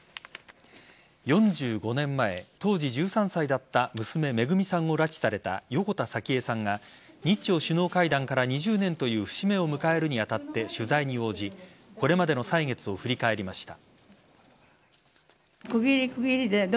４５年前当時１３歳だった娘・めぐみさんを拉致された横田早紀江さんが日露首脳会談から２０年という節目を迎えるにあたって取材に応じこれまでの歳月を振り返りました。